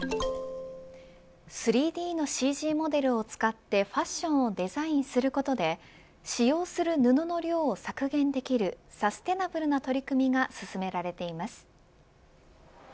３ＤのＣＧモデルを使ってファッションをデザインすることで使用する布の量を削減できるサステイナブルな取り組みが進められています。